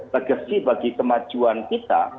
regesi bagi kemajuan kita